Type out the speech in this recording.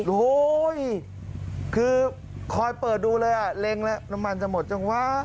โอ้โหคือคอยเปิดดูเลยอ่ะเล็งแล้วน้ำมันจะหมดจังวะ